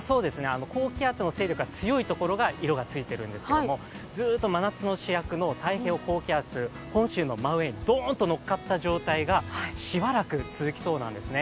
高気圧の勢力が強いところが色がついているんですけれどもずっと真夏の主役の太平洋高気圧、本州の真上にドーンと乗っかった状態がしばらく続きそうなんですね。